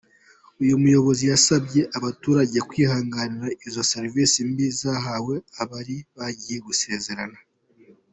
Uyu muyobozi yasabye abaturage kwihanganira izo serivisi mbi zahawe abari bagiye gusezerana.